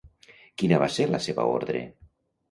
Quina va ser la seva ordre?